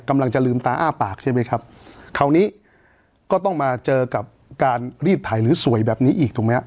กำลังจะลืมตาอ้าปากใช่ไหมครับคราวนี้ก็ต้องมาเจอกับการรีดถ่ายหรือสวยแบบนี้อีกถูกไหมฮะ